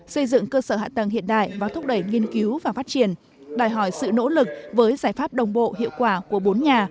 xây dựng cơ sở hạ tầng hiện đại và thúc đẩy nghiên cứu và phát triển